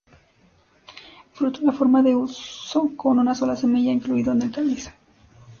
Fruto en forma de huso, con una sola semilla, incluido en el cáliz.